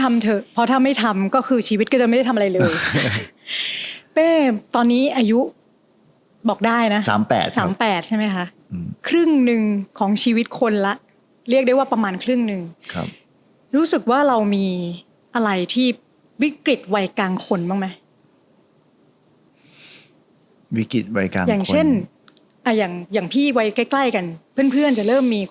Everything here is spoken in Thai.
เมื่อไหร่เอาเพลงใหม่เดือนที่แล้วก็เพิ่งปล่อยเดือนเดียว